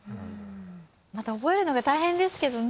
また覚えるのが大変ですけどね。